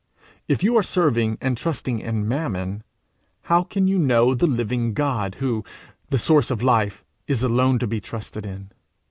If you are serving and trusting in Mammon, how can you know the living God who, the source of life, is alone to be trusted in!